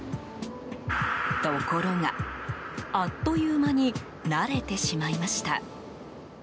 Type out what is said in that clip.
ところが、あっという間に慣れてしまいました。